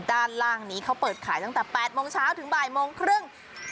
ด้านล่างนี้เขาเปิดขายตั้งแต่๘โมงเช้าถึงบ่ายโมงครึ่ง